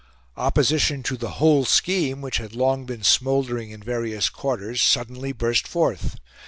Opposition to the whole scheme, which had long been smouldering in various quarters, suddenly burst forth.